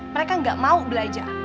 mereka gak mau belajar